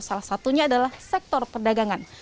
salah satunya adalah sektor perdagangan